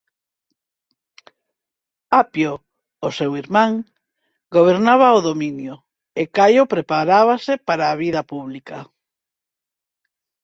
Apio, o seu irmán, gobernaba o dominio, e Caio preparábase para a vida pública.